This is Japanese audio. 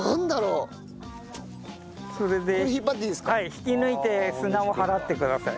引き抜いて砂を払ってください。